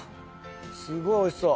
すごいおいしそう。